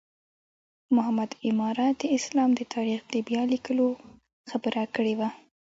محمد عماره د اسلام د تاریخ د بیا لیکلو خبره کړې وه.